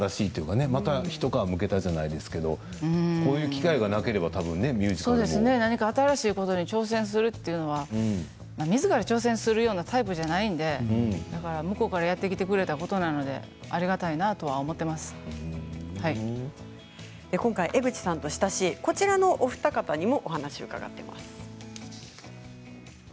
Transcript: これで一皮むけたじゃないですけどこういう機会がなければ何か新しいことに挑戦するというのはみずから挑戦するようなタイプじゃないので向こうからやってきてくれたことなのでありがたいなと今回、江口さんと親しいお二方にもお話を語っています。